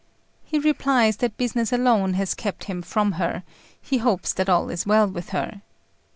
He replies that business alone has kept him from her; he hopes that all is well with her.